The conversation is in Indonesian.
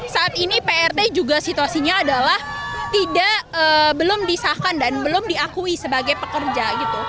saat ini prt juga situasinya adalah belum disahkan dan belum diakui sebagai pekerja